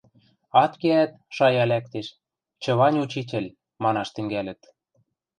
Ат кеӓт, шая лӓктеш: «Чывань учитель», – манаш тӹнгӓлӹт.